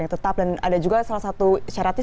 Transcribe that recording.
tetap dan ada juga salah satu syaratnya